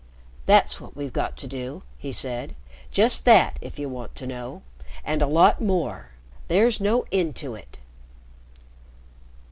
"That's what we've got to do," he said. "Just that, if you want to know. And a lot more. There's no end to it!"